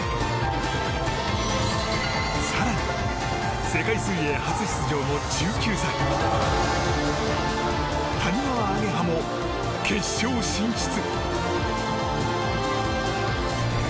更に、世界水泳初出場の１９歳谷川亜華葉も決勝進出。